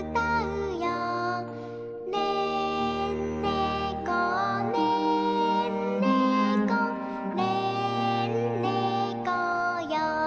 「ねんねこねんねこねんねこよ」